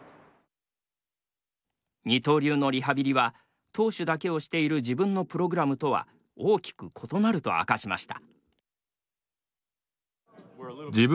二刀流のリハビリは投手だけをしている自分のプログラムとは大きく異なると明かしました。